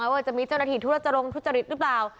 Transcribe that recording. ว่าจะมีเจ้าหน้าที่ธุรจรรงทุจริตหรือเปล่า